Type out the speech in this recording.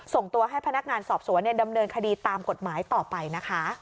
ส่งตัวให้พนักงานสอบสวนดำเนินคดีตามกฎหมายต่อไปนะคะ